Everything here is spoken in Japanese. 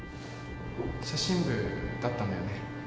写真部だったんだよね？